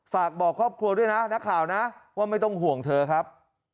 ฝากบอกครอบครัวด้วยนะนักข่าวนะว่าไม่ต้องห่วงเธอครับ